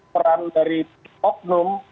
peran dari oknum